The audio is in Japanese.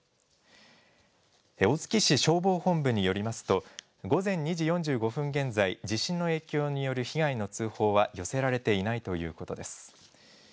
大月市消防本部によりますと、午前２時４５分現在、地震の影響による被害の通報は寄せられていないということです。